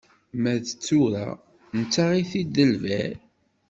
Ma d tura, nettaɣ-it-id d lbiɛ.